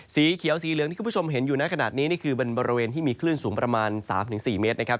สีเขียวสีเหลืองที่คุณผู้ชมเห็นอยู่ในขณะนี้นี่คือเป็นบริเวณที่มีคลื่นสูงประมาณ๓๔เมตรนะครับ